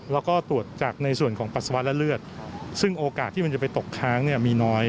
แล้วก็ตรวจจากในส่วนของปัสสาวะและเลือดซึ่งโอกาสที่มันจะไปตกค้างเนี่ยมีน้อย